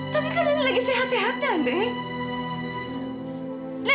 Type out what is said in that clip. tapi kan nenek lagi sehat sehatnya nenek